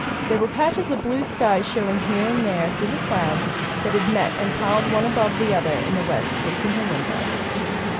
There were patches of blue sky showing here and there through the clouds that had met and piled one above the other in the west facing her window.